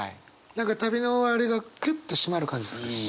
何か旅の終わりがギュッて締まる感じするし。